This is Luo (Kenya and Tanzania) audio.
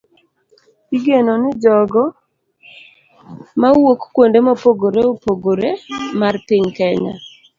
Igeno gi jogo mawuok kuonde mopogore opogore mar piny Kenya